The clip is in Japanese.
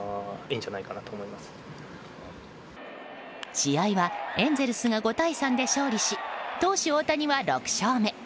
試合は、エンゼルスが５対３で勝利し投手・大谷は６勝目。